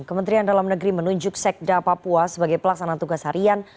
kementerian dalam negeri menunjuk sekda papua sebagai pelaksana tugas harian